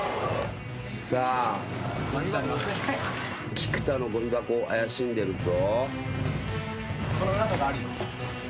菊田のゴミ箱怪しんでるぞ。